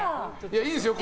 いいですよ。